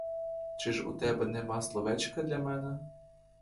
Чи ж у тебе нема словечка для мене?